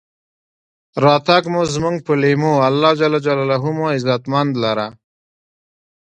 راتګ مو زمونږ پۀ لېمو، الله ج مو عزتمن لره.